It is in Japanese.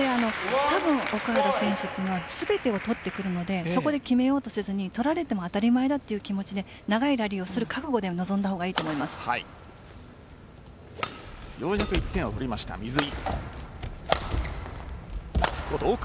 奥原選手は全てを取ってくるのでそこで決めようとせずに取られても当たり前だという気持ちで長いラリーをする覚悟でようやく１点を取りました水井。